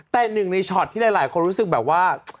แต่หนึ่งในช็อตที่หลายคนรู้สึกแบบว่า